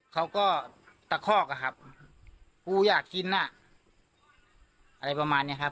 เขาก็ตะคอกอะครับกูอยากกินน่ะอะไรประมาณเนี้ยครับ